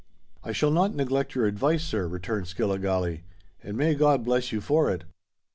"I shall not neglect your advice, sir," returned Skilligalee; "and may God bless you for it."